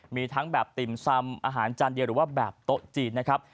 มีทั้งแบบติ่มซำอาหารจานเดียวหรือว่าแบบโต๊ะจีนนะครับ